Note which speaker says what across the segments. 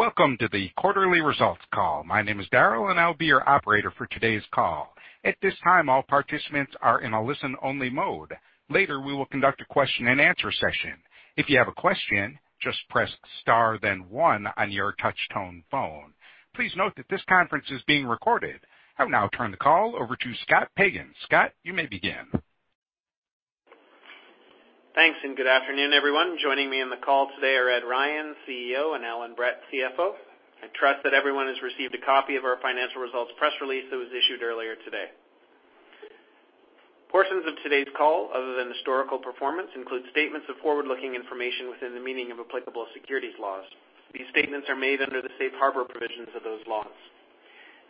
Speaker 1: Welcome to the quarterly results call. My name is Daryl, and I'll be your operator for today's call. At this time, all participants are in a listen-only mode. Later, we will conduct a question-and-answer session. If you have a question, just press star then one on your touch-tone phone. Please note that this conference is being recorded. I will now turn the call over to Scott Pagan. Scott, you may begin.
Speaker 2: Thanks. Good afternoon, everyone. Joining me on the call today are Ed Ryan, CEO, and Allan Brett, CFO. I trust that everyone has received a copy of our financial results press release that was issued earlier today. Portions of today's call, other than historical performance, include statements of forward-looking information within the meaning of applicable securities laws. These statements are made under the safe harbor provisions of those laws.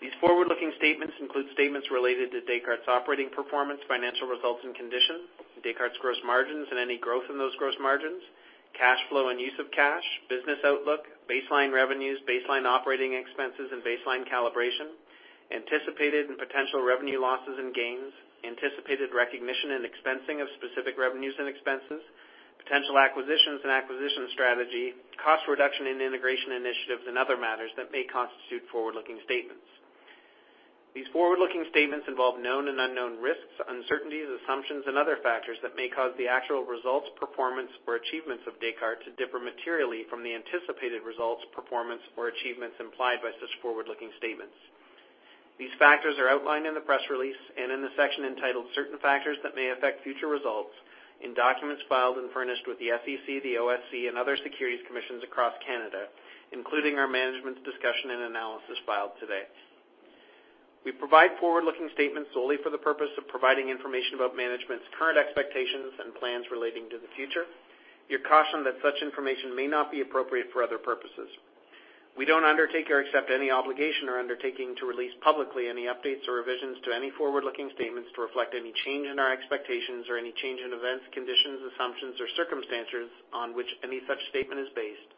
Speaker 2: These forward-looking statements include statements related to Descartes' operating performance, financial results and conditions, Descartes' gross margins and any growth in those gross margins, cash flow and use of cash, business outlook, baseline revenues, baseline operating expenses and baseline calibration, anticipated and potential revenue losses and gains, anticipated recognition and expensing of specific revenues and expenses, potential acquisitions and acquisition strategy, cost reduction in integration initiatives and other matters that may constitute forward-looking statements. These forward-looking statements involve known and unknown risks, uncertainties, assumptions, and other factors that may cause the actual results, performance, or achievements of Descartes to differ materially from the anticipated results, performance, or achievements implied by such forward-looking statements. These factors are outlined in the press release and in the section entitled Certain Factors That May Affect Future Results in documents filed and furnished with the SEC, the OSC, and other securities commissions across Canada, including our management's discussion and analysis filed today. We provide forward-looking statements solely for the purpose of providing information about management's current expectations and plans relating to the future. You're cautioned that such information may not be appropriate for other purposes. We don't undertake or accept any obligation or undertaking to release publicly any updates or revisions to any forward-looking statements to reflect any change in our expectations or any change in events, conditions, assumptions, or circumstances on which any such statement is based,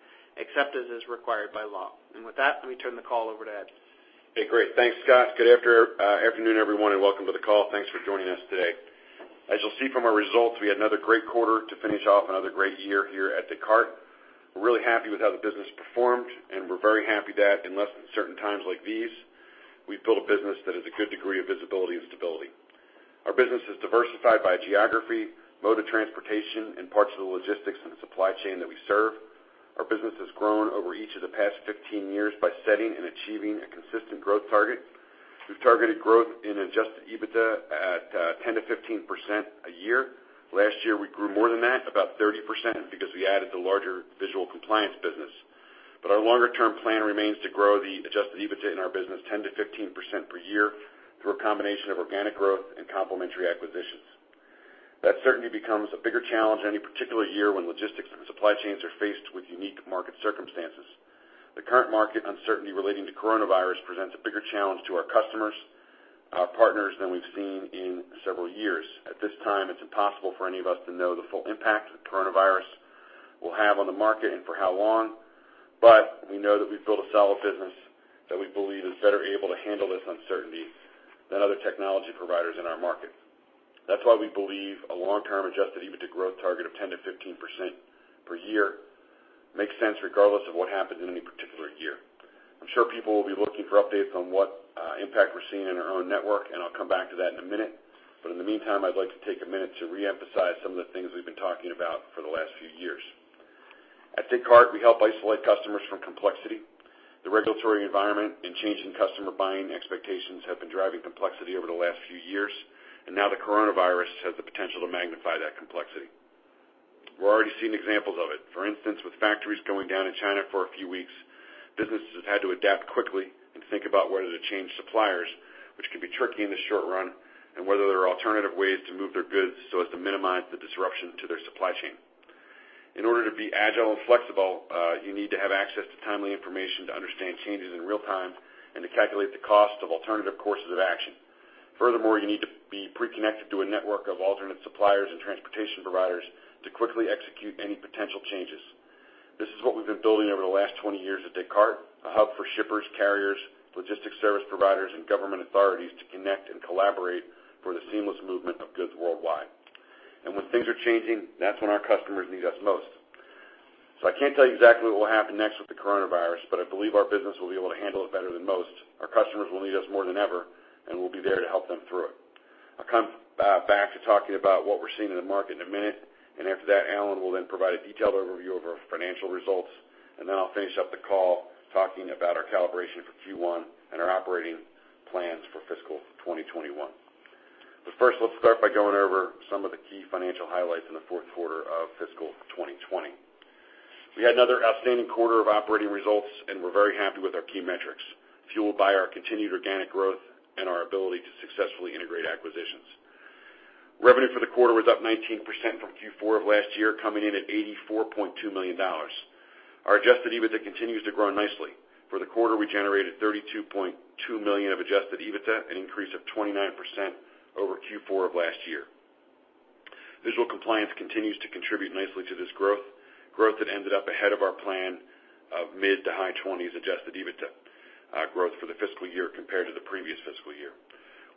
Speaker 2: except as is required by law. With that, let me turn the call over to Ed.
Speaker 3: Hey, great. Thanks, Scott. Good afternoon, everyone, and welcome to the call. Thanks for joining us today. As you'll see from our results, we had another great quarter to finish off another great year here at Descartes. We're really happy with how the business performed, and we're very happy that in less than certain times like these, we've built a business that has a good degree of visibility and stability. Our business is diversified by geography, mode of transportation, and parts of the logistics and supply chain that we serve. Our business has grown over each of the past 15 years by setting and achieving a consistent growth target. We've targeted growth in adjusted EBITDA at 10%-15% a year. Last year, we grew more than that, about 30%, because we added the larger Visual Compliance business. Our longer-term plan remains to grow the adjusted EBITDA in our business 10%-15% per year through a combination of organic growth and complementary acquisitions. That certainly becomes a bigger challenge any particular year when logistics and supply chains are faced with unique market circumstances. The current market uncertainty relating to coronavirus presents a bigger challenge to our customers, our partners than we've seen in several years. At this time, it's impossible for any of us to know the full impact that coronavirus will have on the market and for how long, we know that we've built a solid business that we believe is better able to handle this uncertainty than other technology providers in our market. That's why we believe a long-term adjusted EBITDA growth target of 10%-15% per year makes sense regardless of what happens in any particular year. I'm sure people will be looking for updates on what impact we're seeing in our own network, and I'll come back to that in a minute. In the meantime, I'd like to take a minute to reemphasize some of the things we've been talking about for the last few years. At Descartes, we help isolate customers from complexity. The regulatory environment and change in customer buying expectations have been driving complexity over the last few years, and now the coronavirus has the potential to magnify that complexity. We're already seeing examples of it. For instance, with factories going down in China for a few weeks, businesses have had to adapt quickly and think about whether to change suppliers, which can be tricky in the short run, and whether there are alternative ways to move their goods so as to minimize the disruption to their supply chain. In order to be agile and flexible, you need to have access to timely information to understand changes in real time and to calculate the cost of alternative courses of action. Furthermore, you need to be pre-connected to a network of alternate suppliers and transportation providers to quickly execute any potential changes. This is what we've been building over the last 20 years at Descartes, a hub for shippers, carriers, logistics service providers, and government authorities to connect and collaborate for the seamless movement of goods worldwide. When things are changing, that's when our customers need us most. I can't tell you exactly what will happen next with the coronavirus, but I believe our business will be able to handle it better than most. Our customers will need us more than ever, and we'll be there to help them through it. I'll come back to talking about what we're seeing in the market in a minute, and after that, Allan will then provide a detailed overview of our financial results, and then I'll finish up the call talking about our calibration for Q1 and our operating plans for fiscal 2021. First, let's start by going over some of the key financial highlights in the fourth quarter of fiscal 2020. We had another outstanding quarter of operating results, and we're very happy with our key metrics, fueled by our continued organic growth and our ability to successfully integrate acquisitions. Revenue for the quarter was up 19% from Q4 of last year, coming in at 84.2 million dollars. Our adjusted EBITDA continues to grow nicely. For the quarter, we generated 32.2 million of adjusted EBITDA, an increase of 29% over Q4 of last year. Visual Compliance continues to contribute nicely to this growth. Growth that ended up ahead of our plan of mid to high 20s adjusted EBITDA growth for the fiscal year compared to the previous fiscal year.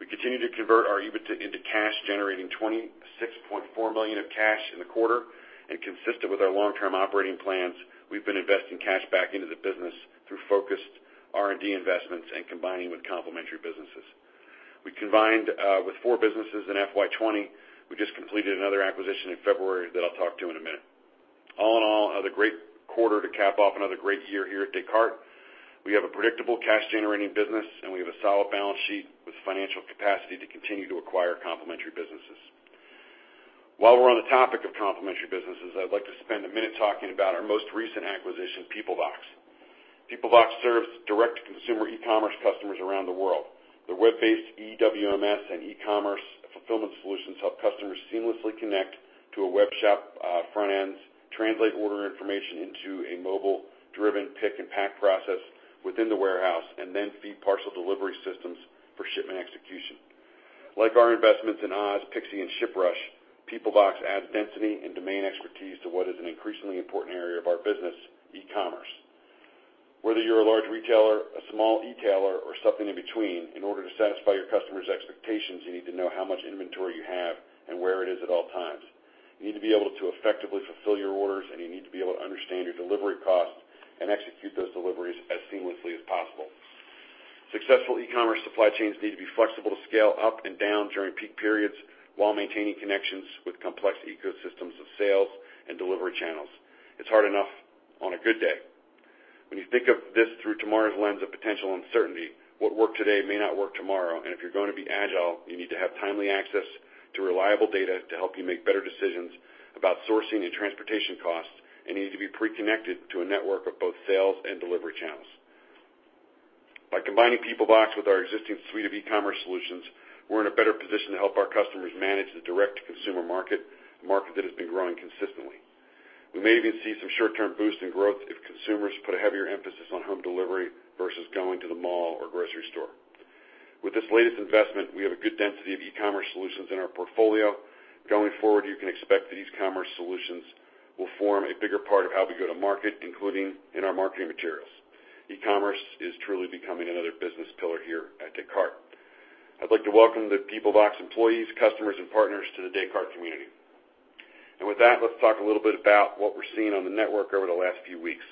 Speaker 3: We continue to convert our EBITDA into cash, generating 26.4 million of cash in the quarter. Consistent with our long-term operating plans, we've been investing cash back into the business through focused R&D investments and combining with complementary businesses. We combined with four businesses in FY 2020. We just completed another acquisition in February that I'll talk to in a minute. All in all, another great quarter to cap off another great year here at Descartes. We have a predictable cash-generating business, and we have a solid balance sheet with financial capacity to continue to acquire complementary businesses. While we're on the topic of complementary businesses, I'd like to spend a minute talking about our most recent acquisition, Peoplevox. Peoplevox serves direct-to-consumer e-commerce customers around the world. Their web-based eWMS and e-commerce fulfillment solutions help customers seamlessly connect to a web shop front ends, translate order information into a mobile-driven pick and pack process within the warehouse, and then feed parcel delivery systems for shipment execution. Like our investments in Oz, pixi, and ShipRush, Peoplevox adds density and domain expertise to what is an increasingly important area of our business, e-commerce. Whether you're a large retailer, a small e-tailer, or something in between, in order to satisfy your customers' expectations, you need to know how much inventory you have and where it is at all times. You need to be able to effectively fulfill your orders, and you need to be able to understand your delivery costs and execute those deliveries as seamlessly as possible. Successful e-commerce supply chains need to be flexible to scale up and down during peak periods while maintaining connections with complex ecosystems of sales and delivery channels. It's hard enough on a good day. When you think of this through tomorrow's lens of potential uncertainty, what worked today may not work tomorrow. If you're going to be agile, you need to have timely access to reliable data to help you make better decisions about sourcing and transportation costs, and you need to be pre-connected to a network of both sales and delivery channels. By combining Peoplevox with our existing suite of e-commerce solutions, we're in a better position to help our customers manage the direct-to-consumer market, a market that has been growing consistently. We may even see some short-term boost in growth if consumers put a heavier emphasis on home delivery versus going to the mall or grocery store. With this latest investment, we have a good density of e-commerce solutions in our portfolio. Going forward, you can expect that e-commerce solutions will form a bigger part of how we go to market, including in our marketing materials. E-commerce is truly becoming another business pillar here at Descartes. I'd like to welcome the Peoplevox employees, customers, and partners to the Descartes community. With that, let's talk a little bit about what we're seeing on the network over the last few weeks.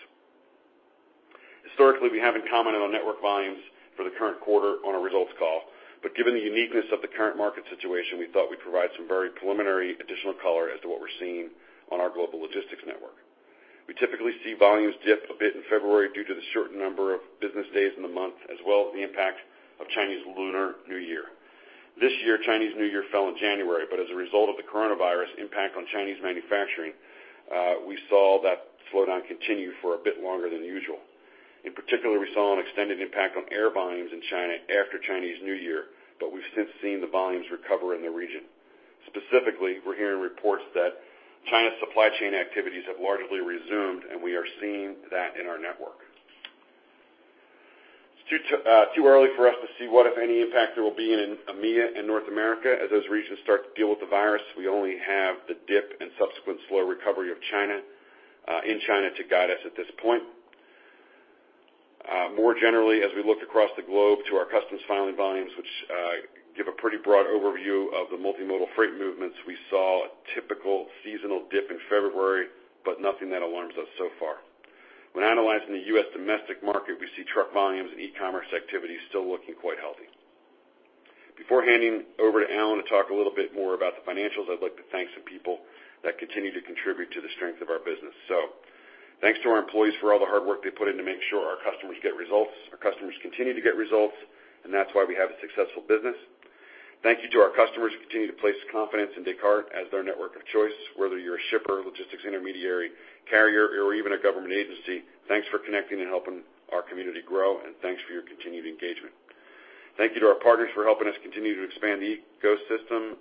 Speaker 3: Historically, we haven't commented on network volumes for the current quarter on a results call. Given the uniqueness of the current market situation, we thought we'd provide some very preliminary additional color as to what we're seeing on our global logistics network. We typically see volumes dip a bit in February due to the shortened number of business days in the month, as well as the impact of Chinese Lunar New Year. This year, Chinese New Year fell in January, but as a result of the coronavirus impact on Chinese manufacturing, we saw that slowdown continue for a bit longer than usual. In particular, we saw an extended impact on air volumes in China after Chinese New Year, but we've since seen the volumes recover in the region. Specifically, we're hearing reports that China's supply chain activities have largely resumed, and we are seeing that in our network. It's too early for us to see what, if any, impact there will be in EMEA and North America as those regions start to deal with the virus. We only have the dip and subsequent slow recovery in China to guide us at this point. More generally, as we look across the globe to our customs filing volumes, which give a pretty broad overview of the multimodal freight movements, we saw a typical seasonal dip in February, but nothing that alarms us so far. When analyzing the U.S. domestic market, we see truck volumes and e-commerce activity still looking quite healthy. Before handing over to Allan to talk a little bit more about the financials, I'd like to thank some people that continue to contribute to the strength of our business. Thanks to our employees for all the hard work they put in to make sure our customers get results. Our customers continue to get results, and that's why we have a successful business. Thank you to our customers who continue to place confidence in Descartes as their network of choice. Whether you're a shipper, logistics intermediary, carrier, or even a government agency, thanks for connecting and helping our community grow, thanks for your continued engagement. Thank you to our partners for helping us continue to expand the ecosystem.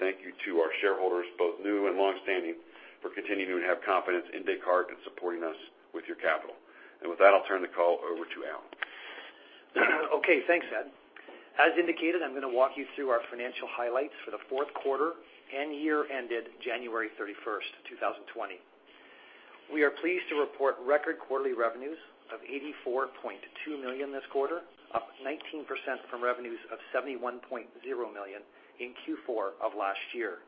Speaker 3: Thank you to our shareholders, both new and longstanding, for continuing to have confidence in Descartes and supporting us with your capital. With that, I'll turn the call over to Allan.
Speaker 4: Okay. Thanks, Ed. As indicated, I'm going to walk you through our financial highlights for the fourth quarter and year ended January 31st, 2020. We are pleased to report record quarterly revenues of 84.2 million this quarter, up 19% from revenues of 71.0 million in Q4 of last year.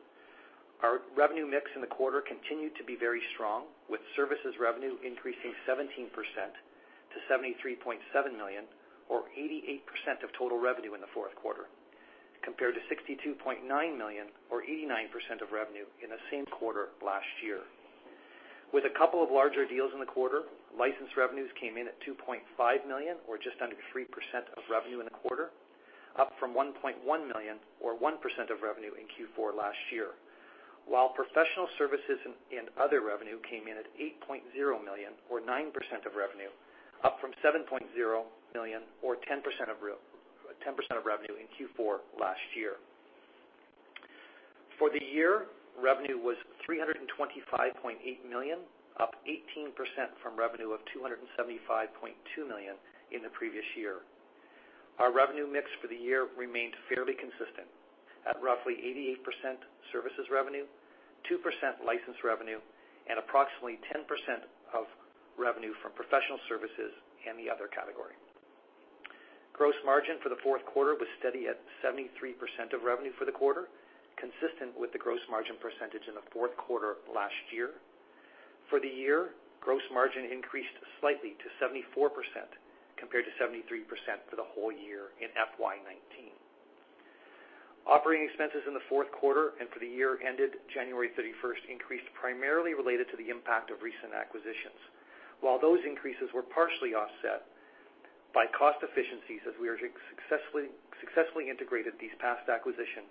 Speaker 4: Our revenue mix in the quarter continued to be very strong, with services revenue increasing 17% to 73.7 million or 88% of total revenue in the fourth quarter, compared to 62.9 million or 89% of revenue in the same quarter last year. With a couple of larger deals in the quarter, license revenues came in at 2.5 million or just under 3% of revenue in the quarter, up from 1.1 million or 1% of revenue in Q4 last year. While professional services and other revenue came in at 8.0 million or 9% of revenue, up from 7.0 million or 10% of revenue in Q4 last year. For the year, revenue was 325.8 million, up 18% from revenue of 275.2 million in the previous year. Our revenue mix for the year remained fairly consistent. At roughly 88% services revenue, 2% license revenue, and approximately 10% of revenue from professional services and the other category. Gross margin for the fourth quarter was steady at 73% of revenue for the quarter, consistent with the gross margin percentage in the fourth quarter last year. For the year, gross margin increased slightly to 74% compared to 73% for the whole year in FY 2019. Operating expenses in the fourth quarter and for the year ended January 31st increased primarily related to the impact of recent acquisitions. While those increases were partially offset by cost efficiencies as we successfully integrated these past acquisition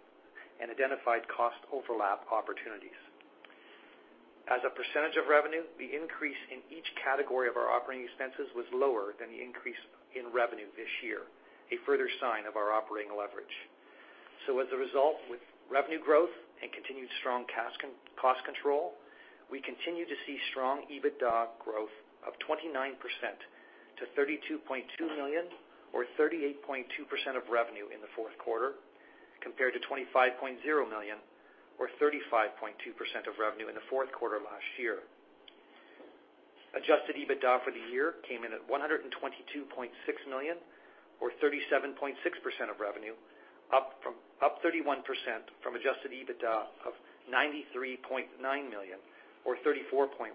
Speaker 4: and identified cost overlap opportunities. As a percentage of revenue, the increase in each category of our operating expenses was lower than the increase in revenue this year, a further sign of our operating leverage. As a result, with revenue growth and continued strong cost control, we continue to see strong EBITDA growth of 29% to 32.2 million or 38.2% of revenue in the fourth quarter, compared to 25.0 million or 35.2% of revenue in the fourth quarter last year. Adjusted EBITDA for the year came in at 122.6 million or 37.6% of revenue, up 31% from adjusted EBITDA of 93.9 million or 34.1%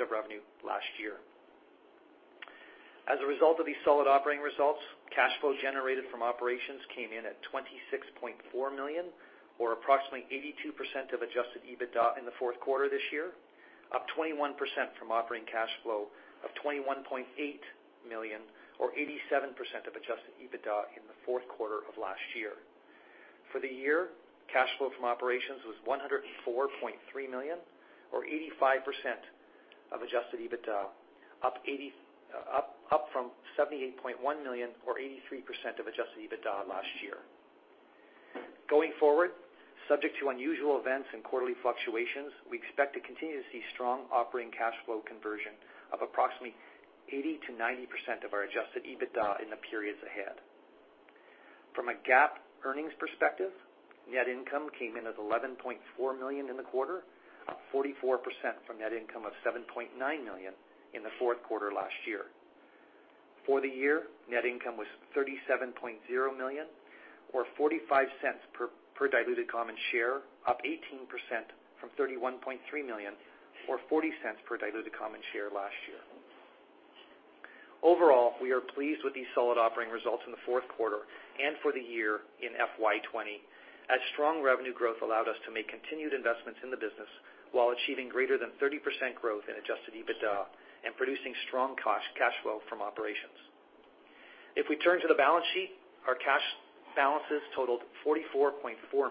Speaker 4: of revenue last year. As a result of these solid operating results, cash flow generated from operations came in at 26.4 million or approximately 82% of adjusted EBITDA in the fourth quarter this year, up 21% from operating cash flow of 21.8 million or 87% of adjusted EBITDA in the fourth quarter of last year. For the year, cash flow from operations was 104.3 million or 85% of adjusted EBITDA, up from 78.1 million or 83% of adjusted EBITDA last year. Going forward, subject to unusual events and quarterly fluctuations, we expect to continue to see strong operating cash flow conversion of approximately 80%-90% of our adjusted EBITDA in the periods ahead. From a GAAP earnings perspective, net income came in at 11.4 million in the quarter, up 44% from net income of 7.9 million in the fourth quarter last year. For the year, net income was 37.0 million or 0.45 per diluted common share, up 18% from 31.3 million or 0.40 per diluted common share last year. Overall, we are pleased with these solid operating results in the fourth quarter and for the year in FY 2020 as strong revenue growth allowed us to make continued investments in the business while achieving greater than 30% growth in adjusted EBITDA and producing strong cash flow from operations. If we turn to the balance sheet, our cash balances totaled 44.4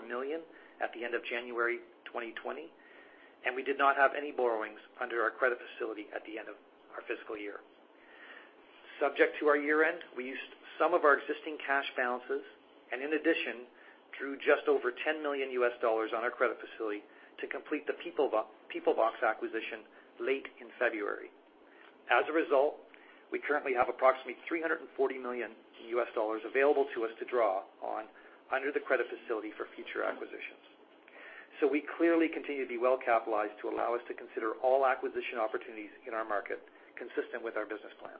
Speaker 4: million at the end of January 2020, and we did not have any borrowings under our credit facility at the end of our fiscal year. Subject to our year end, we used some of our existing cash balances and in addition, drew just over CAD 10 million on our credit facility to complete the Peoplevox acquisition late in February. We currently have approximately CAD 340 million available to us to draw on under the credit facility for future acquisitions. We clearly continue to be well capitalized to allow us to consider all acquisition opportunities in our market consistent with our business plan.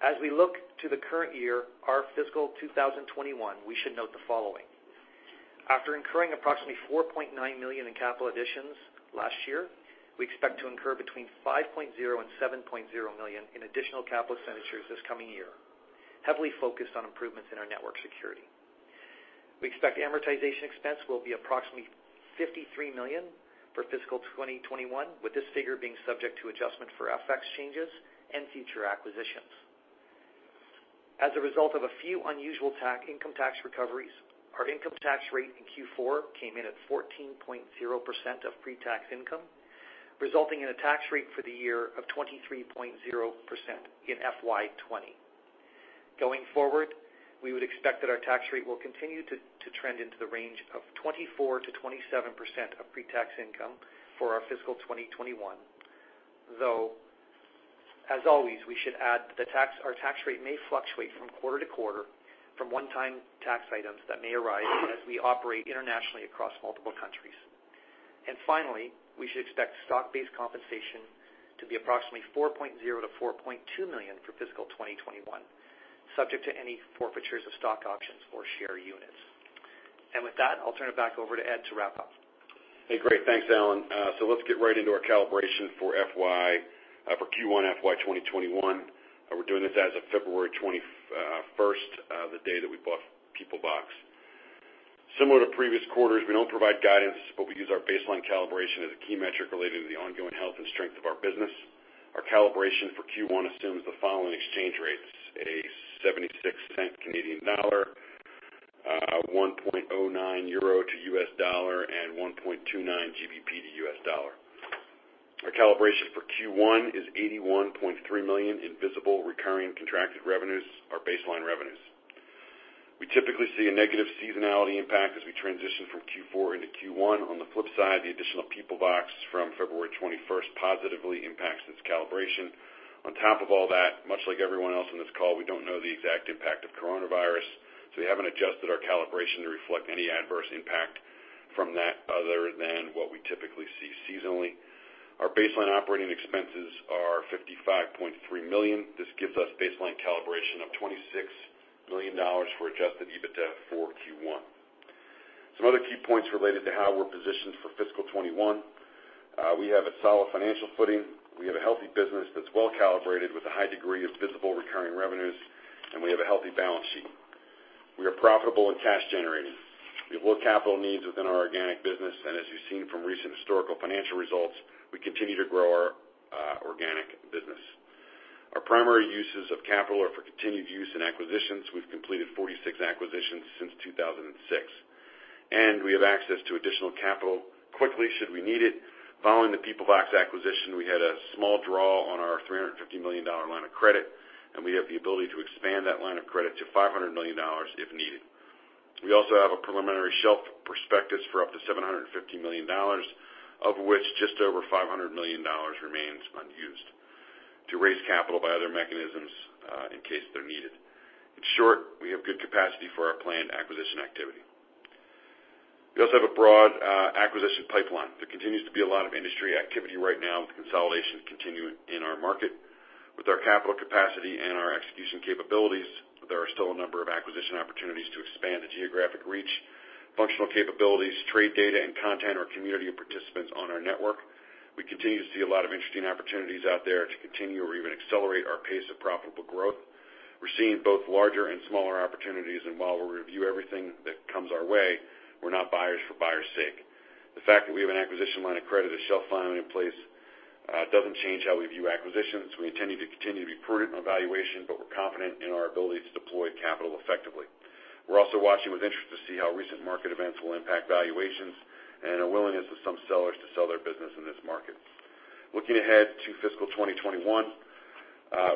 Speaker 4: As we look to the current year, our fiscal 2021, we should note the following. After incurring approximately 4.9 million in capital additions last year, we expect to incur between 5.0 million and 7.0 million in additional capital expenditures this coming year, heavily focused on improvements in our network security. We expect amortization expense will be approximately 53 million for fiscal 2021, with this figure being subject to adjustment for FX changes and future acquisitions. As a result of a few unusual income tax recoveries, our income tax rate in Q4 came in at 14.0% of pre-tax income, resulting in a tax rate for the year of 23.0% in FY 2020. We would expect that our tax rate will continue to trend into the range of 24%-27% of pre-tax income for our fiscal 2021. As always, we should add our tax rate may fluctuate from quarter to quarter from one-time tax items that may arise as we operate internationally across multiple countries. Finally, we should expect stock-based compensation to be approximately 4.0 million-4.2 million for fiscal 2021, subject to any forfeitures of stock options or share units. With that, I'll turn it back over to Ed to wrap up.
Speaker 3: Hey, great. Thanks, Allan. Let's get right into our calibration for Q1 FY 2021. We're doing this as of February 21st, the day that we bought Peoplevox. Similar to previous quarters, we don't provide guidance, but we use our baseline calibration as a key metric relating to the ongoing health and strength of our business. Our calibration for Q1 assumes the following exchange rates: a $0.76 Canadian dollar, 1.09 euro to USD, and GBP 1.29 to USD. Our calibration for Q1 is 81.3 million in visible recurring contracted revenues, our baseline revenues. We typically see a negative seasonality impact as we transition from Q4 into Q1. On the flip side, the additional Peoplevox from February 21st positively impacts this calibration. Much like everyone else on this call, we don't know the exact impact of coronavirus, so we haven't adjusted our calibration to reflect any adverse impact from that other than what we typically see seasonally. Our baseline operating expenses are 55.3 million. This gives us baseline calibration of 26 million dollars for adjusted EBITDA for Q1. Some other key points related to how we're positioned for fiscal 2021. We have a solid financial footing. We have a healthy business that's well-calibrated with a high degree of visible recurring revenues, and we have a healthy balance sheet. We are profitable and cash generating. We have low capital needs within our organic business, and as you've seen from recent historical financial results, we continue to grow our organic business. Our primary uses of capital are for continued use and acquisitions. We've completed 46 acquisitions since 2006, and we have access to additional capital quickly should we need it. Following the Peoplevox acquisition, we had a small draw on our 350 million dollar line of credit, and we have the ability to expand that line of credit to 500 million dollars if needed. We also have a preliminary shelf prospectus for up to 750 million dollars, of which just over 500 million dollars remains unused to raise capital by other mechanisms, in case they're needed. In short, we have good capacity for our planned acquisition activity. We also have a broad acquisition pipeline. There continues to be a lot of industry activity right now, with consolidation continuing in our market. With our capital capacity and our execution capabilities, there are still a number of acquisition opportunities to expand the geographic reach, functional capabilities, trade data, and content or community of participants on our network. We continue to see a lot of interesting opportunities out there to continue or even accelerate our pace of profitable growth. We're seeing both larger and smaller opportunities, and while we'll review everything that comes our way, we're not buyers for buyers' sake. The fact that we have an acquisition line of credit, a shelf prospectus in place, doesn't change how we view acquisitions. We intend to continue to be prudent on valuation, but we're confident in our ability to deploy capital effectively. We're also watching with interest to see how recent market events will impact valuations and a willingness of some sellers to sell their business in this market. Looking ahead to fiscal 2021,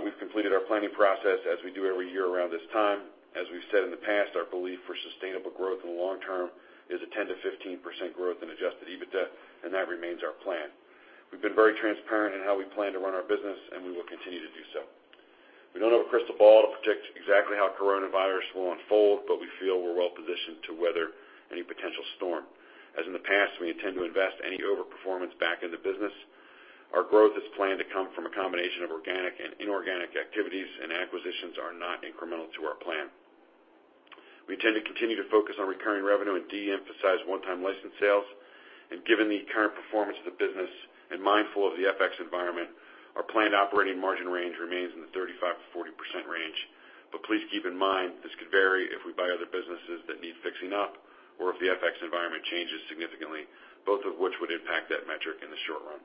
Speaker 3: we've completed our planning process, as we do every year around this time. As we've said in the past, our belief for sustainable growth in the long term is a 10%-15% growth in adjusted EBITDA, and that remains our plan. We've been very transparent in how we plan to run our business, and we will continue to do so. We don't have a crystal ball to predict exactly how coronavirus will unfold, but we feel we're well-positioned to weather any potential storm. As in the past, we intend to invest any over-performance back in the business. Our growth is planned to come from a combination of organic and inorganic activities, and acquisitions are not incremental to our plan. We intend to continue to focus on recurring revenue and de-emphasize one-time license sales. Given the current performance of the business and mindful of the FX environment, our planned operating margin range remains in the 35%-40% range. Please keep in mind, this could vary if we buy other businesses that need fixing up or if the FX environment changes significantly, both of which would impact that metric in the short run.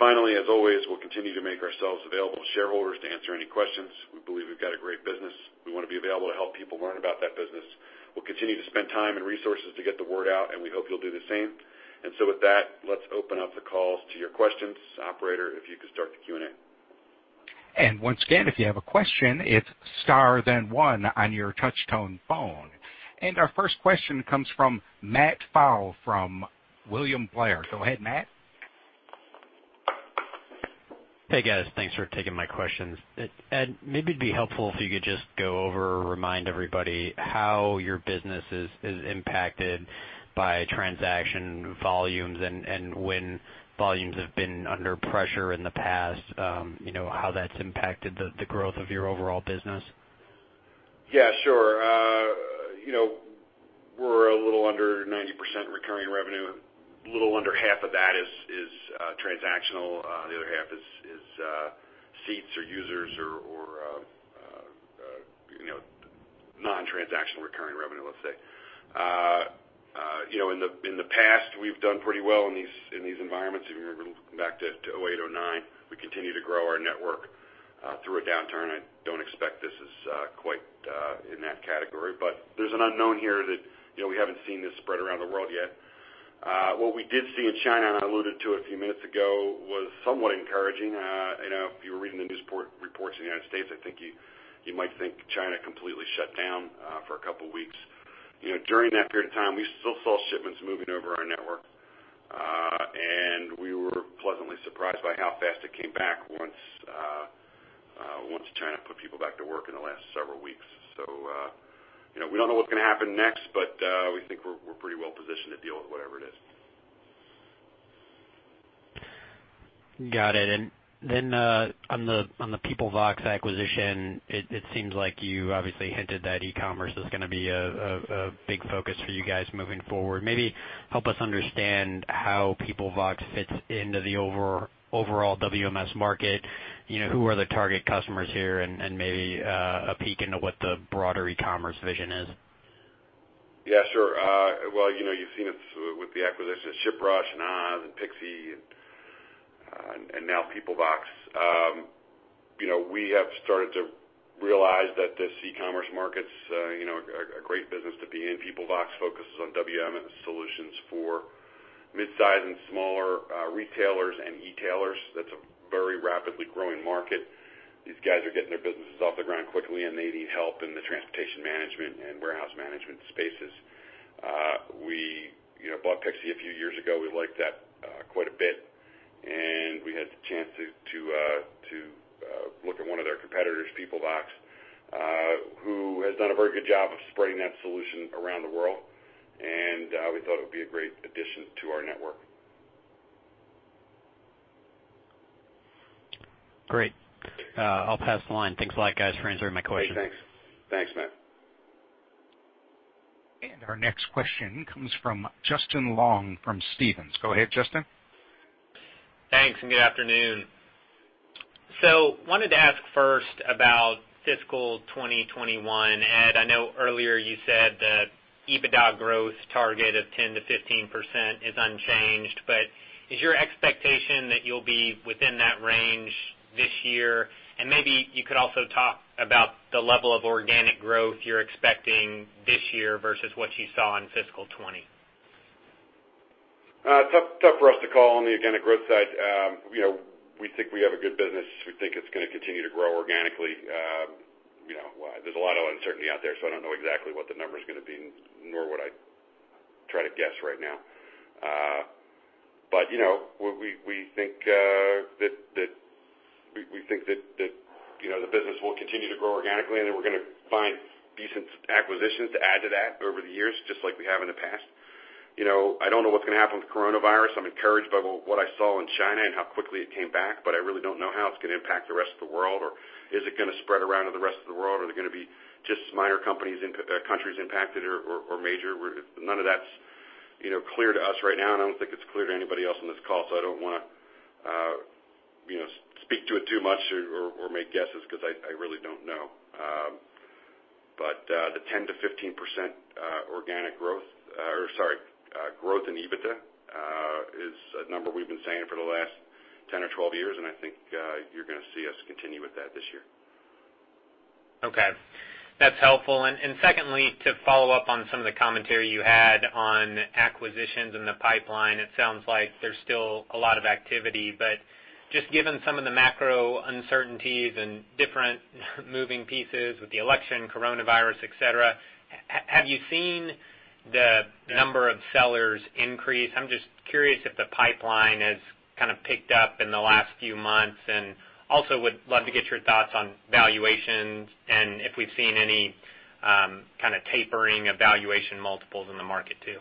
Speaker 3: Finally, as always, we'll continue to make ourselves available to shareholders to answer any questions. We believe we've got a great business. We want to be available to help people learn about that business. We'll continue to spend time and resources to get the word out, and we hope you'll do the same. With that, let's open up the call to your questions. Operator, if you could start the Q&A.
Speaker 1: Once again, if you have a question, it's star, then one on your touch-tone phone. Our first question comes from Matthew Pfau from William Blair. Go ahead, Matt.
Speaker 5: Hey, guys. Thanks for taking my questions. Ed, maybe it'd be helpful if you could just go over or remind everybody how your business is impacted by transaction volumes and when volumes have been under pressure in the past, how that's impacted the growth of your overall business.
Speaker 3: Yeah, sure. We're a little under 90% recurring revenue. A little under half of that is transactional. The other half is seats or users or non-transactional recurring revenue, let's say. In the past, we've done pretty well in these environments. If you remember back to 2008, 2009, we continued to grow our network through a downturn. I don't expect this is quite in that category, but there's an unknown here that we haven't seen this spread around the world yet. What we did see in China, and I alluded to it a few minutes ago, was somewhat encouraging. If you were reading the news reports in the U.S., I think you might think China completely shut down for a couple of weeks. During that period of time, we still saw shipments moving over our network, and we were pleasantly surprised by how fast it came back once China put people back to work in the last several weeks. We don't know what's going to happen next, but we think we're pretty well positioned to deal with whatever it is.
Speaker 5: Got it. On the Peoplevox acquisition, it seems like you obviously hinted that e-commerce is going to be a big focus for you guys moving forward. Maybe help us understand how Peoplevox fits into the overall WMS market. Who are the target customers here? Maybe a peek into what the broader e-commerce vision is.
Speaker 3: Yeah, sure. Well, you've seen it with the acquisition of ShipRush and Oz and pixi, and now Peoplevox. We have started to realize that this e-commerce market's a great business to be in. Peoplevox focuses on WMS solutions for midsize and smaller retailers and e-tailers. That's a very rapidly growing market. These guys are getting their businesses off the ground quickly, and they need help in the transportation management and warehouse management spaces. We bought pixi a few years ago. We liked that quite a bit, and we had the chance to look at one of their competitors, Peoplevox, who has done a very good job of spreading that solution around the world. We thought it would be a great addition to our network.
Speaker 5: Great. I'll pass the line. Thanks a lot, guys, for answering my question.
Speaker 3: Hey, thanks Matt.
Speaker 1: Our next question comes from Justin Long, from Stephens. Go ahead, Justin.
Speaker 6: Thanks. Good afternoon. I wanted to ask first about fiscal 2021. Ed, I know earlier you said the EBITDA growth target of 10%-15% is unchanged, but is your expectation that you'll be within that range this year? Maybe you could also talk about the level of organic growth you're expecting this year versus what you saw in fiscal 2020.
Speaker 3: It's tough for us to call on the organic growth side. We think we have a good business. We think it's going to continue to grow organically. There's a lot of uncertainty out there, so I don't know exactly what the number's going to be, nor would I try to guess right now. We think that the business will continue to grow organically, and then we're going to find decent acquisitions to add to that over the years, just like we have in the past. I don't know what's going to happen with coronavirus. I'm encouraged by what I saw in China and how quickly it came back, but I really don't know how it's going to impact the rest of the world, or is it going to spread around to the rest of the world? Are there going to be just minor countries impacted or major? None of that's clear to us right now. I don't think it's clear to anybody else on this call, I don't want to speak to it too much or make guesses, because I really don't know. The 10%-15% growth in EBITDA is a number we've been saying for the last 10 or 12 years. I think you're going to see us continue with that this year.
Speaker 6: Okay. That's helpful. Secondly, to follow up on some of the commentary you had on acquisitions in the pipeline, it sounds like there's still a lot of activity, but just given some of the macro uncertainties and different moving pieces with the election, coronavirus, et cetera, have you seen the number of sellers increase? I'm just curious if the pipeline has kind of picked up in the last few months, and also would love to get your thoughts on valuations and if we've seen any kind of tapering of valuation multiples in the market, too.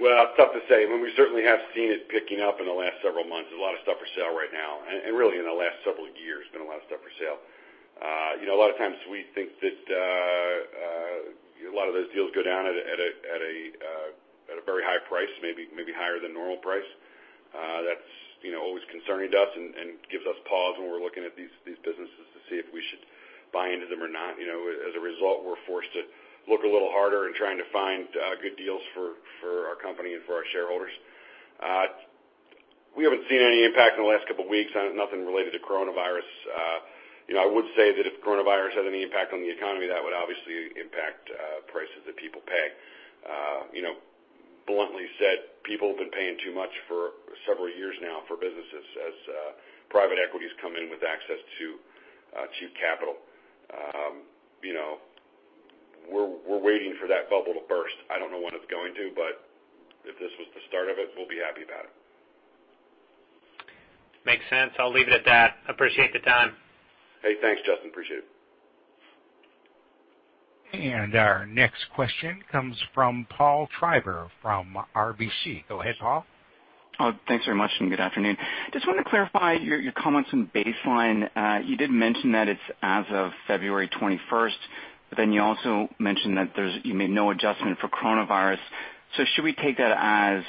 Speaker 3: Well, it's tough to say. We certainly have seen it picking up in the last several months. There's a lot of stuff for sale right now, and really in the last several years, been a lot of stuff for sale. A lot of times we think that a lot of those deals go down at a very high price, maybe higher than normal price. That's always concerning to us and gives us pause when we're looking at these businesses to see if we should buy into them or not. As a result, we're forced to look a little harder in trying to find good deals for our company and for our shareholders. We haven't seen any impact in the last couple of weeks, nothing related to coronavirus. I would say that if coronavirus had any impact on the economy, that would obviously impact prices that people pay. Bluntly said, people have been paying too much for several years now for businesses as private equities come in with access to capital. We're waiting for that bubble to burst. I don't know when it's going to, but if this was the start of it, we'll be happy about it.
Speaker 6: Makes sense. I'll leave it at that. Appreciate the time.
Speaker 3: Hey, thanks, Justin. Appreciate it.
Speaker 1: Our next question comes from Paul Treiber from RBC. Go ahead, Paul.
Speaker 7: Thanks very much, and good afternoon. Just wanted to clarify your comments on baseline. You did mention that it's as of February 21st, but then you also mentioned that you made no adjustment for coronavirus. Should we take that as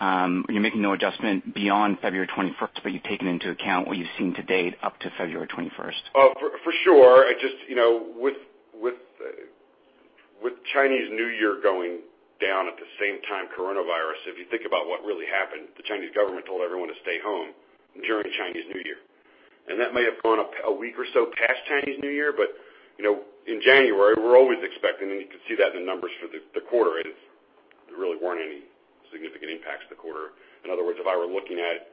Speaker 7: you're making no adjustment beyond February 21st, but you've taken into account what you've seen to date up to February 21st?
Speaker 3: For sure. With Chinese New Year going down at the same time, coronavirus, if you think about what really happened, the Chinese government told everyone to stay home during Chinese New Year. That may have gone a week or so past Chinese New Year. In January, we're always expecting, and you can see that in the numbers for the quarter, there really weren't any significant impacts to the quarter. In other words, if I were looking at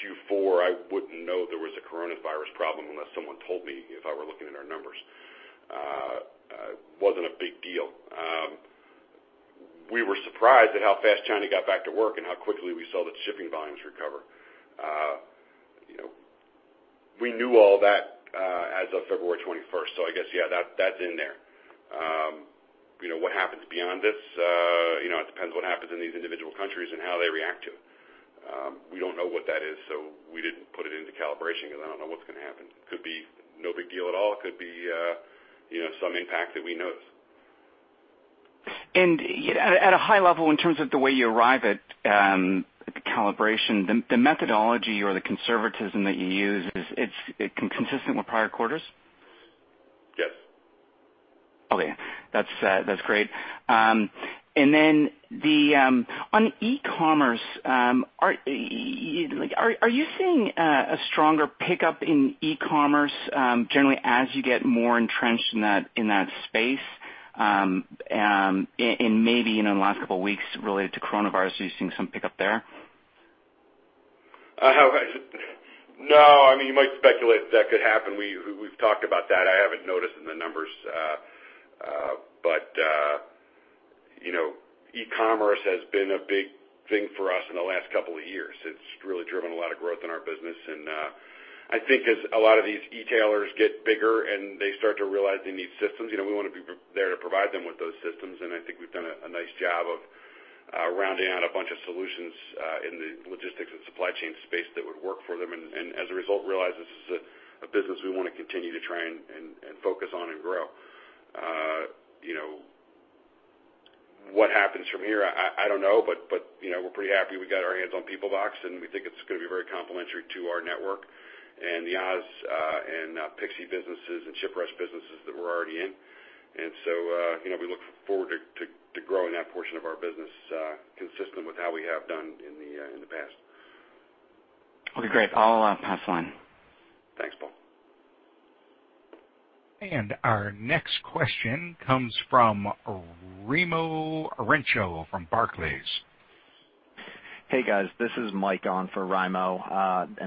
Speaker 3: Q4, I wouldn't know there was a coronavirus problem unless someone told me if I were looking at our numbers. It wasn't a big deal. We were surprised at how fast China got back to work and how quickly we saw the shipping volumes recover. We knew all that as of February 21st, so I guess, yeah, that's in there. What happens beyond this, it depends what happens in these individual countries and how they react to it. We don't know what that is, so we didn't put it into calibration because I don't know what's going to happen. Could be no big deal at all, could be some impact that we notice.
Speaker 7: At a high level, in terms of the way you arrive at the calibration, the methodology or the conservatism that you use, is it consistent with prior quarters?
Speaker 3: Yes.
Speaker 7: Okay. That's great. Then on e-commerce are you seeing a stronger pickup in e-commerce generally as you get more entrenched in that space? Maybe in the last couple of weeks related to coronavirus, are you seeing some pickup there?
Speaker 3: No. You might speculate that could happen. We've talked about that. I haven't noticed in the numbers. E-commerce has been a big thing for us in the last couple of years. It's really driven a lot of growth in our business, and I think as a lot of these e-tailers get bigger and they start to realize they need systems, we want to be there to provide them with those systems. I think we've done a nice job of rounding out a bunch of solutions in the logistics and supply chain space that would work for them. As a result, realize this is a business we want to continue to try and focus on and grow. What happens from here? I don't know, but we're pretty happy we got our hands on Peoplevox, and we think it's going to be very complementary to our network and the Oz and pixi businesses and ShipRush businesses that we're already in. We look forward to growing that portion of our business, consistent with how we have done in the past.
Speaker 7: Okay, great. I'll pass the line.
Speaker 3: Thanks, Paul.
Speaker 1: Our next question comes from Raimo Lenschow from Barclays.
Speaker 8: Hey, guys. This is Mike on for Raimo.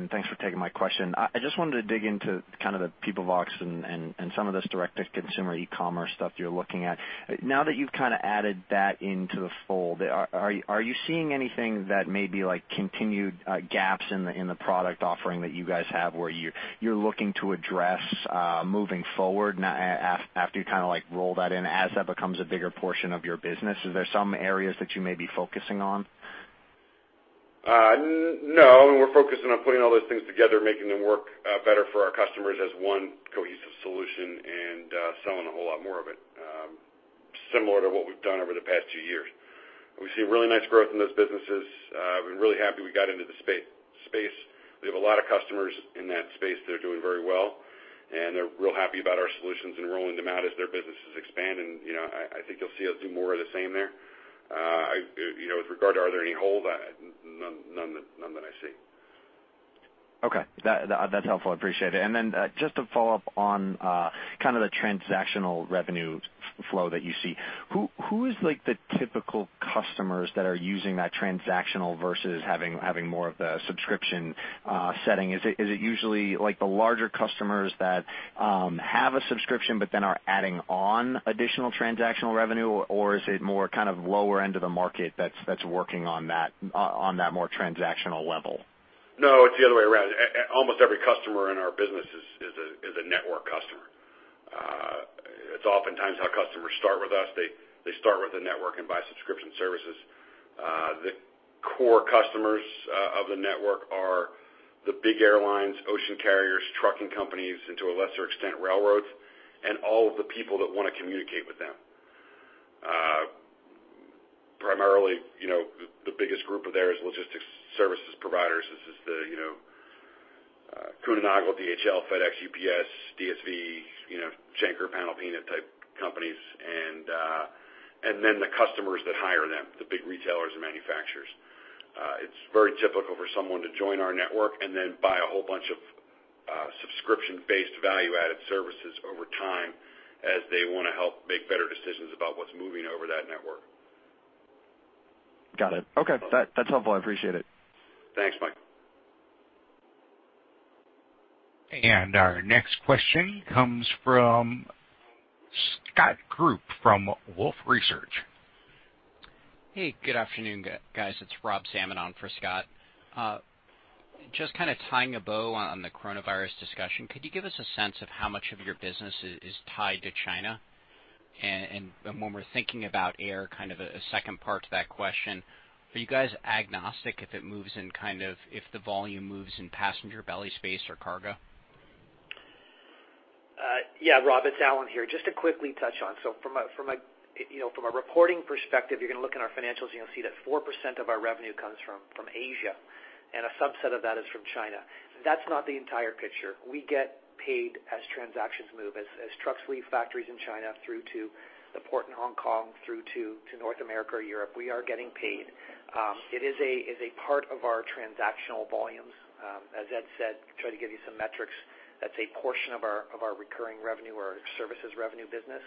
Speaker 8: Thanks for taking my question. I just wanted to dig into kind of the Peoplevox and some of this direct-to-consumer e-commerce stuff you're looking at. Now that you've added that into the fold, are you seeing anything that may be continued gaps in the product offering that you guys have where you're looking to address moving forward after you roll that in as that becomes a bigger portion of your business? Is there some areas that you may be focusing on?
Speaker 3: No, we're focusing on putting all those things together, making them work better for our customers as one cohesive solution and selling a whole lot more of it. Similar to what we've done over the past two years. We've seen really nice growth in those businesses. We're really happy we got into the space. We have a lot of customers in that space that are doing very well, and they're real happy about our solutions and rolling them out as their businesses expand. I think you'll see us do more of the same there. With regard to are there any holes? None that I see.
Speaker 8: Okay. That's helpful, appreciate it. Just to follow up on the transactional revenue flow that you see. Who is the typical customers that are using that transactional versus having more of the subscription setting? Is it usually the larger customers that have a subscription but then are adding on additional transactional revenue, or is it more lower end of the market that's working on that more transactional level?
Speaker 3: No, it's the other way around. Almost every customer in our business is a network customer. It's oftentimes how customers start with us. They start with a network and buy subscription services. The core customers of the network are the big airlines, ocean carriers, trucking companies, and to a lesser extent, railroads, and all of the people that want to communicate with them. Primarily, the biggest group of theirs is logistics services providers. This is the Kuehne + Nagel, DHL, FedEx, UPS, DSV, Schenker, Panalpina type companies. Then the customers that hire them, the big retailers and manufacturers. It's very typical for someone to join our network and then buy a whole bunch of subscription-based value-added services over time as they want to help make better decisions about what's moving over that network.
Speaker 8: Got it. Okay. That's helpful, I appreciate it.
Speaker 3: Thanks, Mike.
Speaker 1: Our next question comes from Scott Group from Wolfe Research.
Speaker 9: Hey, good afternoon, guys. It's Rob Salmon on for Scott. Just tying a bow on the coronavirus discussion, could you give us a sense of how much of your business is tied to China? When we're thinking about air, a second part to that question, are you guys agnostic if the volume moves in passenger belly space or cargo?
Speaker 4: Yeah, Rob, it's Allan here. Just to quickly touch on. From a reporting perspective, you're going to look in our financials and you'll see that 4% of our revenue comes from Asia, and a subset of that is from China. That's not the entire picture. We get paid as transactions move. As trucks leave factories in China through to the port in Hong Kong through to North America or Europe, we are getting paid. It is a part of our transactional volumes. As Ed said, try to give you some metrics. That's a portion of our recurring revenue or services revenue business.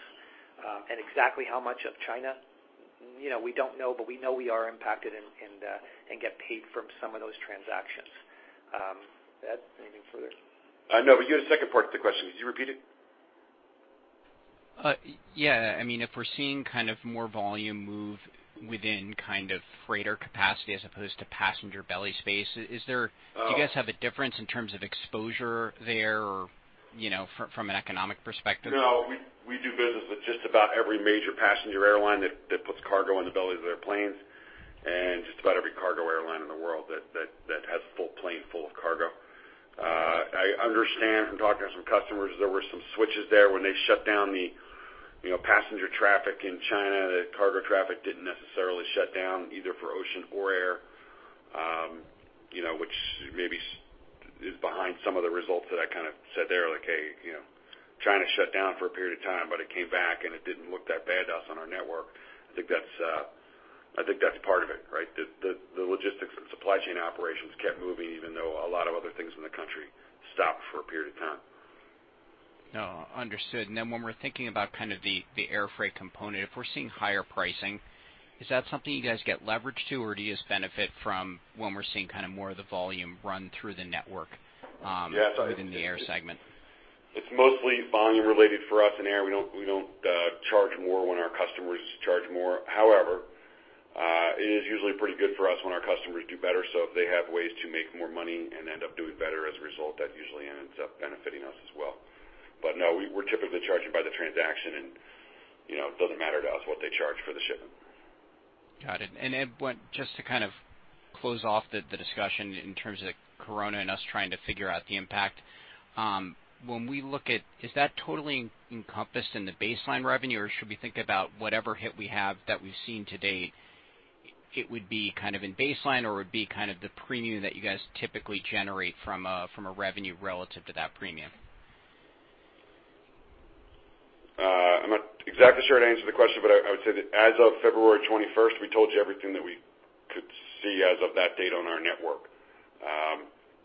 Speaker 4: Exactly how much of China? We don't know, but we know we are impacted and get paid from some of those transactions. Ed, anything further?
Speaker 3: No, you had a second part to the question. Could you repeat it?
Speaker 9: Yeah. If we're seeing more volume move within freighter capacity as opposed to passenger belly space, do you guys have a difference in terms of exposure there or from an economic perspective?
Speaker 3: No, we do business with just about every major passenger airline that puts cargo in the bellies of their planes and just about every cargo airline in the world that has a full plane full of cargo. I understand from talking to some customers, there were some switches there when they shut down the passenger traffic in China. The cargo traffic didn't necessarily shut down either for ocean or air, which maybe is behind some of the results that I said there, like, hey, trying to shut down for a period of time, but it came back, and it didn't look that bad to us on our network. I think that's part of it, right? The logistics and supply chain operations kept moving even though a lot of other things in the country stopped for a period of time.
Speaker 9: No, understood. When we're thinking about the air freight component, if we're seeing higher pricing, is that something you guys get leverage to or do you just benefit from when we're seeing more of the volume run through the network within the air segment?
Speaker 3: It's mostly volume related for us in air. We don't charge more when our customers charge more. It is usually pretty good for us when our customers do better. If they have ways to make more money and end up doing better as a result, that usually ends up benefiting us as well. No, we're typically charging by the transaction, and it doesn't matter to us what they charge for the shipment.
Speaker 9: Got it. Ed, just to close off the discussion in terms of coronavirus and us trying to figure out the impact. When we look at, is that totally encompassed in the baseline revenue, or should we think about whatever hit we have that we've seen to date, it would be in baseline or would be the premium that you guys typically generate from a revenue relative to that premium?
Speaker 3: I'm not exactly sure how to answer the question, but I would say that as of February 21st, we told you everything that we could see as of that date on our network.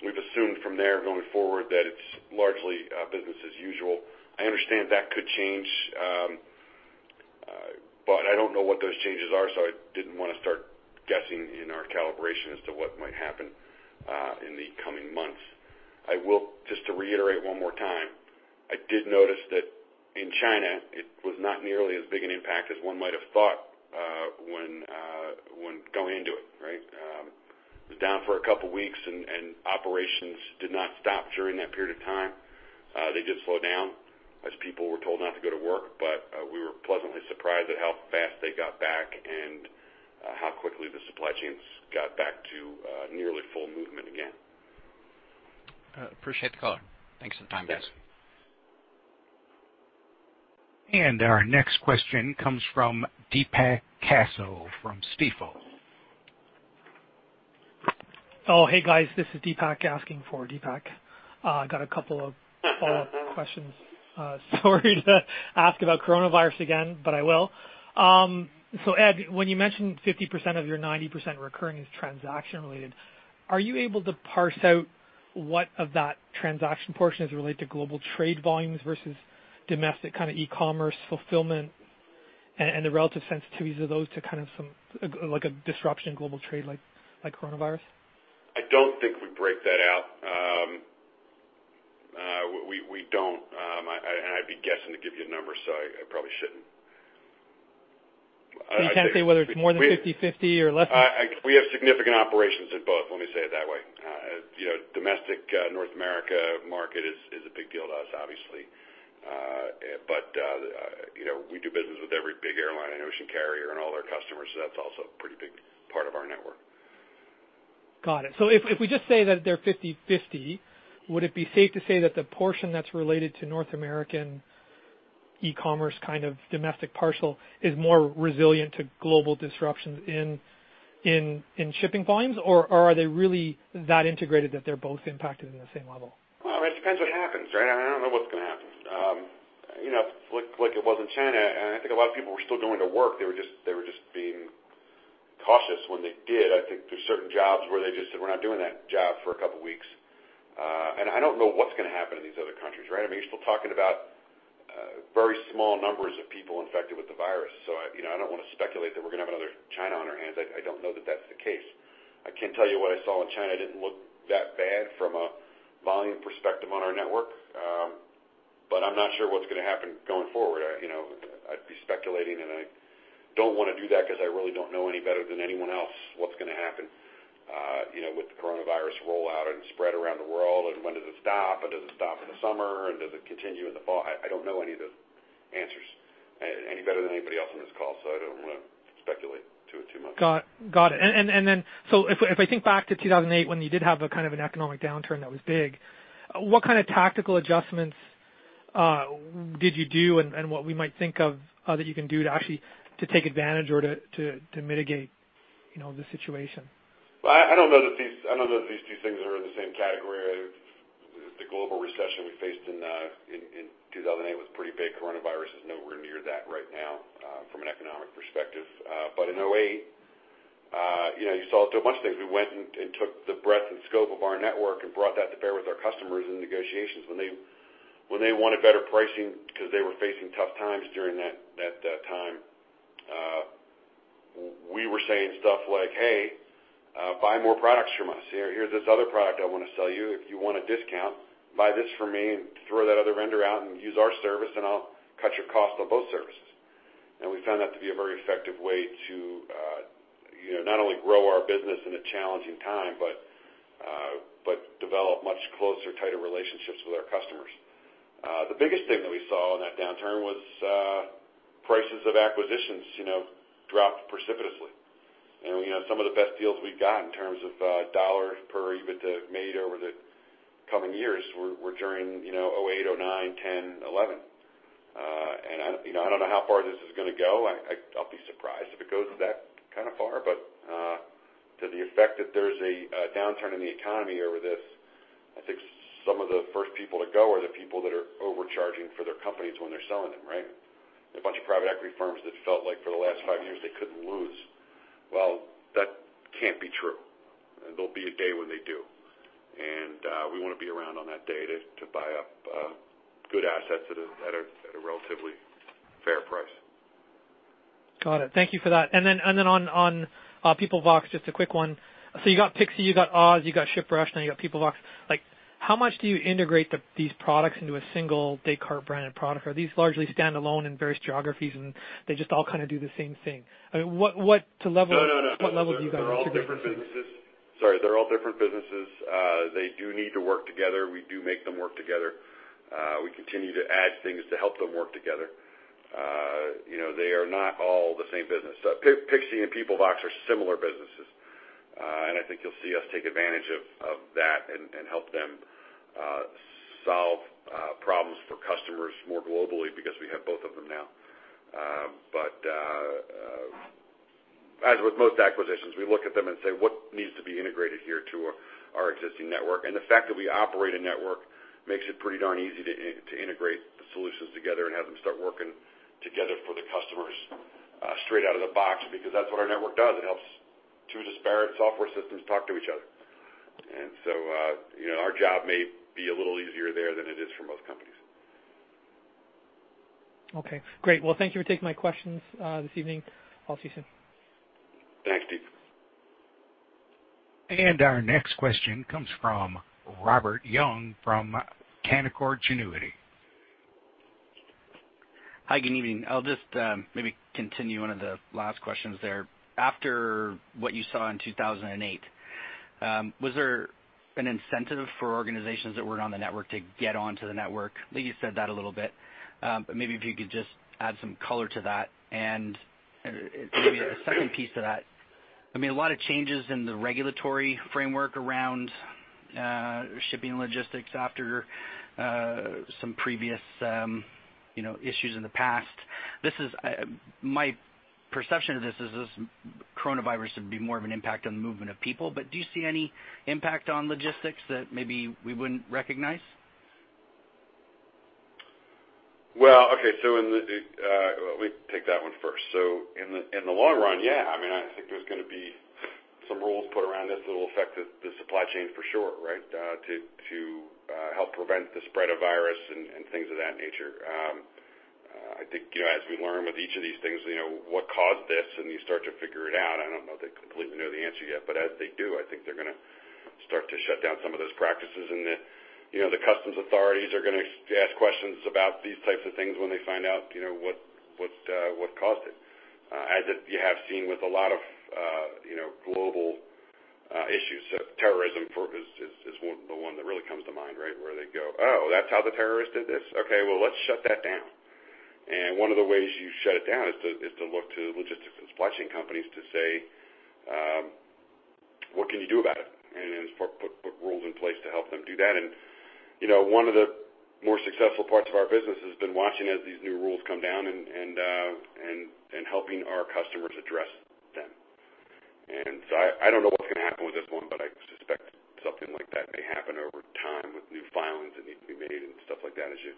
Speaker 3: We've assumed from there going forward that it's largely business as usual. I understand that could change. I don't know what those changes are, so I didn't want to start guessing in our calibration as to what might happen in the coming months. Just to reiterate one more time, I did notice that in China, it was not nearly as big an impact as one might have thought when going into it. Right? It was down for a couple of weeks, and operations did not stop during that period of time. They did slow down as people were told not to go to work, but we were pleasantly surprised at how fast they got back and how quickly the supply chains got back to nearly full movement again.
Speaker 9: Appreciate the call. Thanks for the time guys.
Speaker 1: Our next question comes from Deepak Kaushal from Stifel.
Speaker 10: Oh, hey, guys. This is Deepak asking for Deepak. Got a couple of follow-up questions. Sorry to ask about coronavirus again, but I will. Ed, when you mentioned 50% of your 90% recurring is transaction related, are you able to parse out what of that transaction portion is related to global trade volumes versus domestic e-commerce fulfillment and the relative sensitivities of those to some, like a disruption in global trade like coronavirus?
Speaker 3: I don't think we break that out. We don't. I'd be guessing to give you a number, so I probably shouldn't.
Speaker 10: Can you say whether it's more than 50/50 or less than?
Speaker 3: We have significant operations in both, let me say it that way. Domestic North America market is a big deal to us, obviously. But we do business with every big airline and ocean carrier and all their customers, so that's also a pretty big part of our network.
Speaker 10: Got it. If we just say that they're 50/50, would it be safe to say that the portion that's related to North American e-commerce domestic parcel is more resilient to global disruptions in shipping volumes, or are they really that integrated that they're both impacted in the same level?
Speaker 3: Well, it depends what happens, right? I don't know what's going to happen. Like it was in China, I think a lot of people were still going to work. They were just being cautious when they did. I think there's certain jobs where they just said, "We're not doing that job for a couple of weeks." I don't know what's going to happen in these other countries, right? You're still talking about very small numbers of people infected with the virus. I don't want to speculate that we're going to have another China on our hands. I don't know that that's the case. I can tell you what I saw in China didn't look that bad from a volume perspective on our network. I'm not sure what's going to happen going forward. I'd be speculating. I don't want to do that because I really don't know any better than anyone else what's going to happen with the coronavirus rollout and spread around the world, and when does it stop, or does it stop in the summer, and does it continue in the fall? I don't know any of those answers any better than anybody else on this call, so I don't want to speculate too much.
Speaker 10: Got it. If I think back to 2008, when you did have a kind of an economic downturn that was big, what kind of tactical adjustments did you do and what we might think of that you can do to actually take advantage or to mitigate the situation?
Speaker 3: Well, I don't know that these two things are in the same category. The global recession we faced in 2008 was pretty big. Coronavirus is nowhere near that right now from an economic perspective. In 2008, you saw us do a bunch of things. We went and took the breadth and scope of our network and brought that to bear with our customers in negotiations. When they wanted better pricing because they were facing tough times during that time, we were saying stuff like, "Hey, buy more products from us. Here's this other product I want to sell you. If you want a discount, buy this from me and throw that other vendor out and use our service, and I'll cut your cost on both services. We found that to be a very effective way to not only grow our business in a challenging time but develop much closer, tighter relationships with our customers. The biggest thing that we saw in that downturn was prices of acquisitions dropped precipitously. Some of the best deals we've gotten in terms of CAD per EBITDA made over the coming years were during 2008, 2009, 2010, 2011. I don't know how far this is going to go. I'll be surprised if it goes that kind of far. The effect that there's a downturn in the economy over this, I think some of the first people to go are the people that are overcharging for their companies when they're selling them, right? There's a bunch of private equity firms that felt like for the last five years, they couldn't lose. Well, that can't be true. There'll be a day when they do. We want to be around on that day to buy up good assets at a relatively fair price.
Speaker 10: Got it. Thank you for that. On Peoplevox, just a quick one. You got pixi, you got Oz, you got ShipRush, now you got Peoplevox. How much do you integrate these products into a single Descartes brand product? Are these largely standalone in various geographies and they just all kind of do the same thing? I mean, what level do you guys integrate this in?
Speaker 3: No. They're all different businesses. Sorry, they're all different businesses. They do need to work together. We do make them work together. We continue to add things to help them work together. They are not all the same business. pixi and Peoplevox are similar businesses. I think you'll see us take advantage of that and help them solve problems for customers more globally because we have both of them now. As with most acquisitions, we look at them and say, "What needs to be integrated here to our existing network?" The fact that we operate a network makes it pretty darn easy to integrate the solutions together and have them start working together for the customers straight out of the box, because that's what our network does. It helps two disparate software systems talk to each other. Our job may be a little easier there than it is for most companies.
Speaker 10: Okay, great. Well, thank you for taking my questions this evening. I'll see you soon.
Speaker 3: Thanks, Deep.
Speaker 1: Our next question comes from Robert Young from Canaccord Genuity.
Speaker 11: Hi, good evening. I'll just maybe continue one of the last questions there. After what you saw in 2008, was there an incentive for organizations that weren't on the network to get onto the network? I believe you said that a little bit. Maybe if you could just add some color to that. Maybe a second piece to that, a lot of changes in the regulatory framework around shipping logistics after some previous issues in the past. My perception of this is this coronavirus would be more of an impact on the movement of people, but do you see any impact on logistics that maybe we wouldn't recognize?
Speaker 3: Well, okay. Let me take that one first. In the long run, yeah. I think there's going to be some rules put around this that will affect the supply chain for sure, right? To help prevent the spread of virus and things of that nature. I think as we learn with each of these things, what caused this, and you start to figure it out. I don't know if they completely know the answer yet, but as they do, I think they're going to start to shut down some of those practices. The customs authorities are going to ask questions about these types of things when they find out what caused it. As you have seen with a lot of global issues, terrorism is the one that really comes to mind, right? Where they go, "Oh, that's how the terrorist did this? Okay, well, let's shut that down. One of the ways you shut it down is to look to logistics and supply chain companies to say, "What can you do about it?" Put rules in place to help them do that. One of the more successful parts of our business has been watching as these new rules come down and helping our customers address them. I don't know what's going to happen with this one, but I suspect something like that may happen over time with new filings that need to be made and stuff like that as you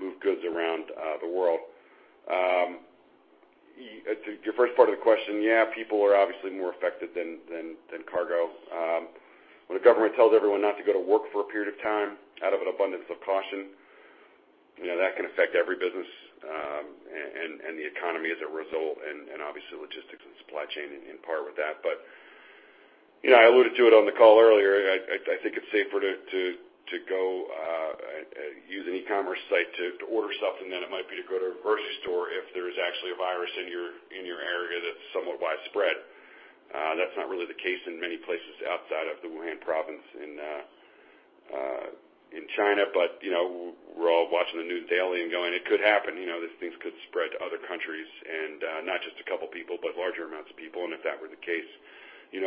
Speaker 3: move goods around the world. To your first part of the question, yeah, people are obviously more affected than cargo. When the government tells everyone not to go to work for a period of time out of an abundance of caution, that can affect every business, and the economy as a result, and obviously logistics and supply chain in part with that. I alluded to it on the call earlier, I think it's safer to go use an e-commerce site to order something than it might be to go to a grocery store if there is actually a virus in your area that's somewhat widespread. That's not really the case in many places outside of the Wuhan province in China. We're all watching the news daily and going, "It could happen. These things could spread to other countries, and not just a couple of people, but larger amounts of people." If that were the case,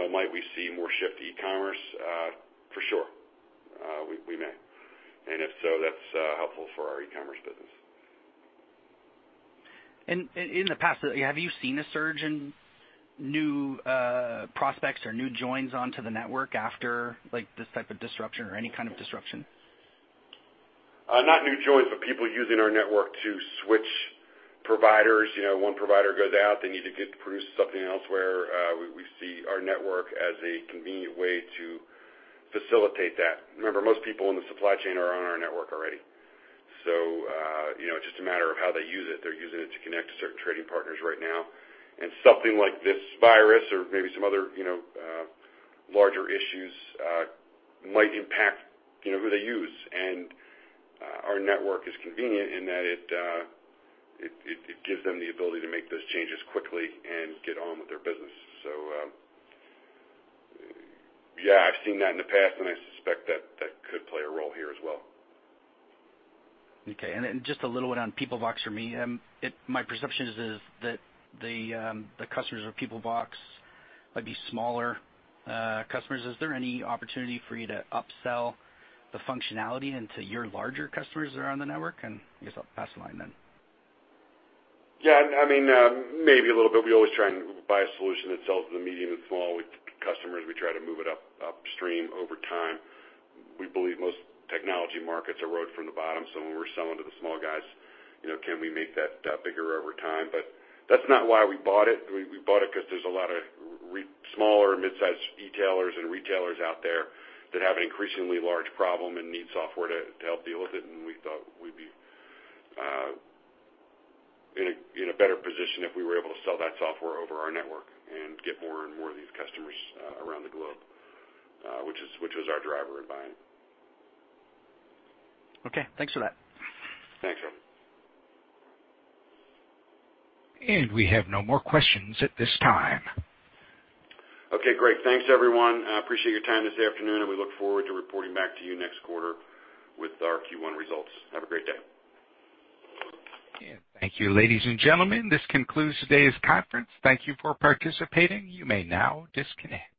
Speaker 3: might we see more shift to e-commerce? For sure. We may. If so, that's helpful for our e-commerce business.
Speaker 11: In the past, have you seen a surge in new prospects or new joins onto the network after this type of disruption or any kind of disruption?
Speaker 3: Not new joins, but people using our network to switch providers. One provider goes out, they need to get produce something elsewhere. We see our network as a convenient way to facilitate that. Remember, most people in the supply chain are on our network already. It's just a matter of how they use it. They're using it to connect to certain trading partners right now. Something like this virus or maybe some other larger issues might impact who they use. Our network is convenient in that it gives them the ability to make those changes quickly and get on with their business. Yeah, I've seen that in the past, and I suspect that that could play a role here as well.
Speaker 11: Okay. Just a little one on Peoplevox for me. My perception is that the customers of Peoplevox might be smaller customers. Is there any opportunity for you to upsell the functionality into your larger customers that are on the network? I guess I'll pass the line.
Speaker 3: Yeah, maybe a little bit. We always try and buy a solution that sells to the medium and small customers. We try to move it upstream over time. When we're selling to the small guys, can we make that bigger over time? That's not why we bought it. We bought it because there's a lot of smaller midsize e-tailers and retailers out there that have an increasingly large problem and need software to help deal with it. We thought we'd be in a better position if we were able to sell that software over our network and get more and more of these customers around the globe, which was our driver in buying.
Speaker 11: Okay, thanks for that.
Speaker 3: Thanks, Robert.
Speaker 1: We have no more questions at this time.
Speaker 3: Okay, great. Thanks, everyone. I appreciate your time this afternoon, and we look forward to reporting back to you next quarter with our Q1 results. Have a great day.
Speaker 1: Thank you, ladies and gentlemen. This concludes today's conference. Thank you for participating. You may now disconnect.